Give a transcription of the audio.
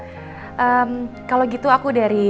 kalau gitu aku dari rumah sakit nanti mau tidur aja ya